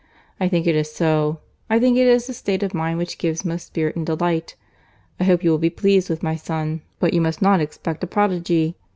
I think it is so. I think it is the state of mind which gives most spirit and delight. I hope you will be pleased with my son; but you must not expect a prodigy.